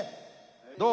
どう？